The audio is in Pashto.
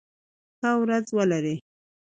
ښه ورځ ولرئ.